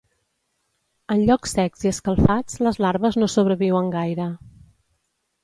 En llocs secs i escalfats les larves no sobreviuen gaire.